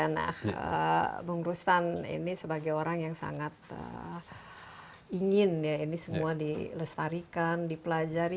bapak pengurusan ini sebagai orang yang sangat ingin ini semua dilestarikan dipelajari